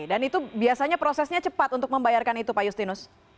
dan itu biasanya prosesnya cepat untuk membayarkan itu pak justinus